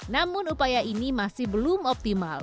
namun upaya ini masih belum optimal